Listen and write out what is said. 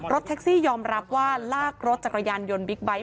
แท็กซี่ยอมรับว่าลากรถจักรยานยนต์บิ๊กไบท์